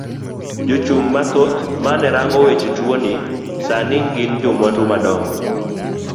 Jo chung mathoth mane rango weche tuo ni sani gin jomwandu madongo.